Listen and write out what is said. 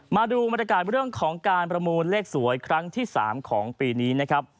มาดูบรรยากาศเรื่องของการประมูลเลขสวยครั้งที่๓ของปีนี้นะครับ